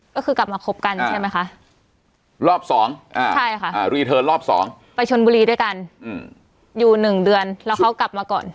ก็คือกลับมาคบกันใช่ไหมคะรอบสองอ่าใช่ค่ะรีเทิร์นรอบสองไปชนบุรีด้วยกันอยู่หนึ่งเดือนแล้วเขากลับมาก่อน